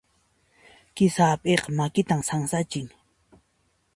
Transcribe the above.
Kisa hap'iyqa makitan sansachin.